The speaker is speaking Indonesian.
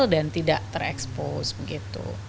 mereka mungkin tidak terekspos begitu